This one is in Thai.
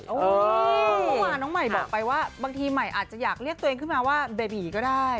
เมื่อวานน้องใหม่บอกไปว่าบางทีใหม่อาจจะอยากเรียกตัวเองขึ้นมาว่าเบบีก็ได้